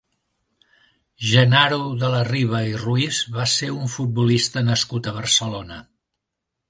Genaro de la Riva i Ruiz va ser un futbolista nascut a Barcelona.